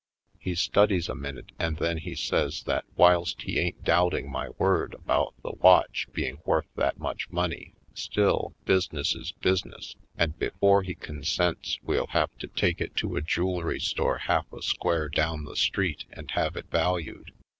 He studies a minute and then he says that whilst he ain't doubting my word about the watch being worth that much money, still, business is business, and before he consents we'll have to take it to a jewelry store half a square down the street and have it valued.